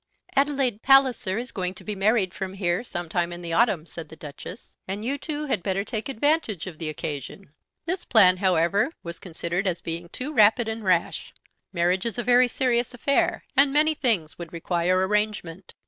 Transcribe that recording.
"Adelaide Palliser is going to be married from here some time in the autumn," said the Duchess, "and you two had better take advantage of the occasion." This plan, however, was considered as being too rapid and rash. Marriage is a very serious affair, and many things would require arrangement.